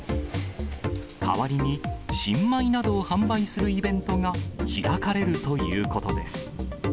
代わりに、新米などを販売するイベントが開かれるということです。